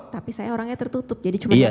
tapi saya orangnya tertutup jadi cuma tidak